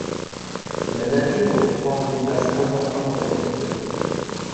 La nature peut prendre une place importante dans ses œuvres.